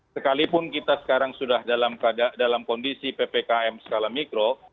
sekalipun kita sekarang sudah dalam kondisi ppkm skala mikro